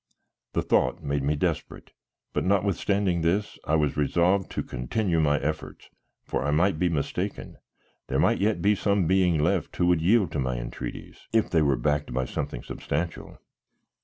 The thought made me desperate, but notwithstanding this I was resolved to continue my efforts, for I might be mistaken; there might yet be some being left who would yield to my entreaties, if they were backed by something substantial.